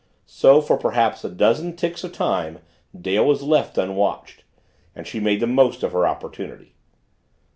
So, for perhaps a dozen ticks of time Dale was left unwatched and she made the most of her opportunity.